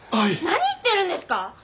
何言ってるんですか！